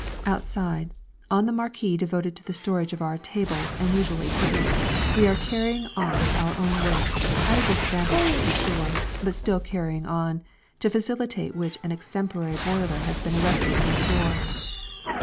Outside, in the marquee devoted to the storage of our tables and usual equipment, we are carrying on our own work at a disadvantage, to be sure but still carrying on, to facilitate which an extemporary boiler has been erected near the door.